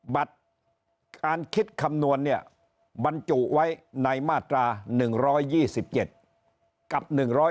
บัตรการคิดคำนวณเนี่ยบรรจุไว้ในมาตรา๑๒๗กับ๑๕